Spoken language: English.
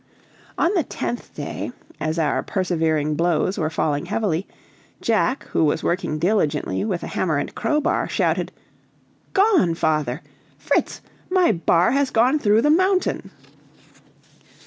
On the tenth day, as our persevering blows were falling heavily, Jack, who was working diligently with a hammer and crowbar, shouted: "Gone, father! Fritz, my bar has gone through the mountain!"